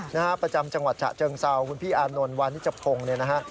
นะฮะประจำจังหวัดชะเจิงเซาคุณพี่อานนท์วานิจบคงนะฮะ